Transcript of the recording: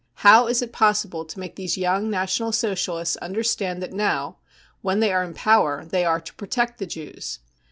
How is it possible to make these young National Socialists understand that now, when they are in power, they are to protect the Jews